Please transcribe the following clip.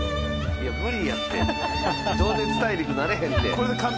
いや無理やて、『情熱大陸』なれへんって。